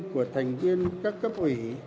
của thành viên các cấp ủy